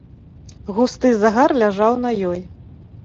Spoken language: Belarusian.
Густы загар ляжаў на ёй.